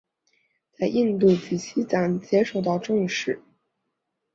在印度及西藏皆受到重视。